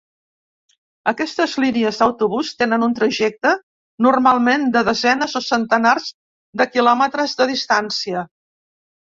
Aquestes línies d'autobús tenen un trajecte normalment de desenes o centenars de quilòmetres de distància.